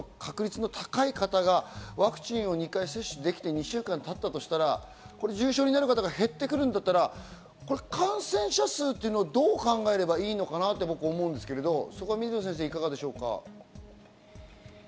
そうなってくるとワクチンの影響、高齢者の方が重症化する確率の高い方がワクチンを２回接種できて２週間たったとしたら、重症になる方が減ってくるんだったら、感染者数というのをどう考えればいいのかなと思うんですけど、水野先生、いかがでしょう？